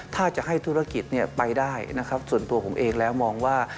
ถ้าจะให้ธุรกิจไปได้ส่วนตัวผมเองแล้วมองว่า